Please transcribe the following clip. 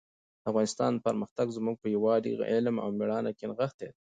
د افغانستان پرمختګ زموږ په یووالي، علم او مېړانه کې نغښتی دی.